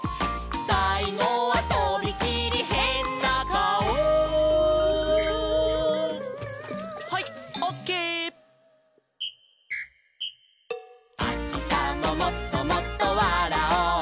「さいごはとびきりへんなかお」「あしたももっともっとわらおう」